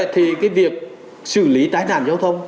thì cái việc xử lý tai nạn giao thông